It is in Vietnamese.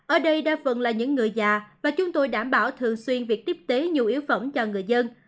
ở đây đa phần là những người già và chúng tôi đảm bảo thường xuyên việc tiếp tế nhu yếu phẩm cho người dân